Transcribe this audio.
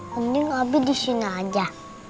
mending abi di sini aja